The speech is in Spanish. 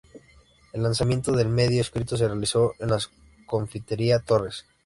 El lanzamiento del medio escrito se realizó en la Confitería Torres.